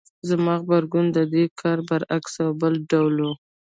زما غبرګون د دې کار برعکس او بل ډول و.